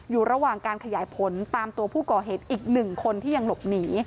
อยู่ระหว่างการขยายผลตามตัวผู้ก่อเหตุอีกหนึ่งคนที่ยังหลบหนี